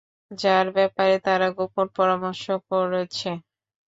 যার ব্যাপারে তারা গোপন পরামর্শ করছে।